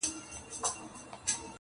د سوال یاري ده اوس به دړي وړي سینه-